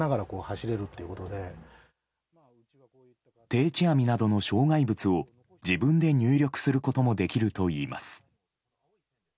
定置網などの障害物を自分で入力することもできるといいます。